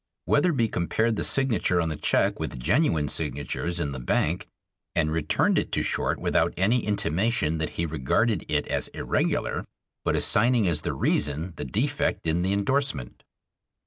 Wetherbee compared the signature on the check with genuine signatures in the bank, and returned it to Short without any intimation that he regarded it as irregular, but assigning as the reason the defect in the indorsement.